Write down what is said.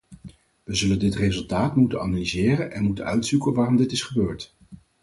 We zullen dit resultaat moeten analyseren en moeten uitzoeken waarom dit is gebeurd.